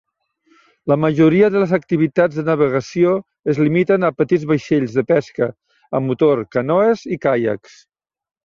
La majoria de les activitats de navegació es limiten a petits vaixell de pesca a motor, canoes i caiacs.